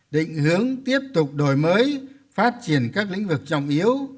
định hướng tiếp tục đổi mới phát triển các lĩnh vực trọng yếu